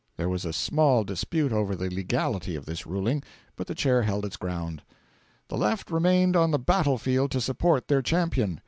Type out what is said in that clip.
There was a small dispute over the legality of this ruling, but the Chair held its ground. The Left remained on the battle field to support their champion.